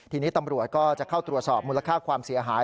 ทีนี้ตำรวจก็จะเข้าตรวจสอบมูลค่าความเสียหาย